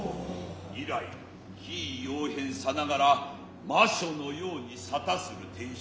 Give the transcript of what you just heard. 以来奇異妖変さながら魔所のやうに沙汰する天守